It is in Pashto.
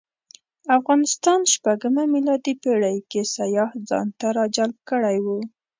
افغانستان شپږمه میلادي پېړۍ کې سیاح ځانته راجلب کړی و.